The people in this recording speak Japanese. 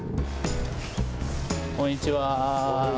こんにちは。